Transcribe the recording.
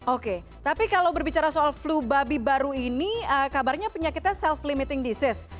oke tapi kalau berbicara soal flu babi baru ini kabarnya penyakitnya self limiting disease